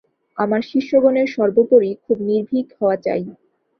আমার শিষ্যগণের সর্বোপরি খুব নির্ভীক হওয়া চাই।